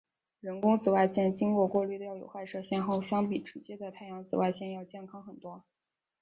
人工紫外线经过过滤掉有害射线后相比直接的太阳紫外线要健康很多。